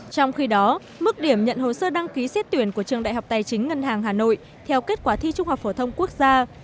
trong khi đó mức điểm nhận hồ sơ đăng ký xét tuyển của trường đại học tài chính ngân hàng hà nội theo kết quả thi trung học phổ thông quốc gia